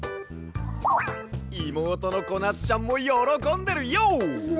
いもうとのこなつちゃんもよろこんでるＹＯ！